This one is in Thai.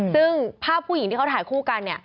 ซึ่งภาพผู้หญิงที่เขาถ่ายคู่กันเนี่ย